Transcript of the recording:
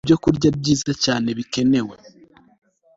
Ibyokurya Byiza Cyane Bikenewe